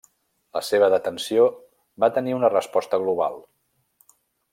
La seva detenció va tenir una resposta global.